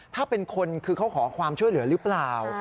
ถ้าเป็นคนคือเขาขอความช่วยเหลือหรือเปล่า